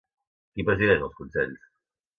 Qui presideix els consells?